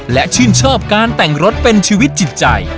และชื่นชอบการแต่งรถเป็นชีวิตจิตใจ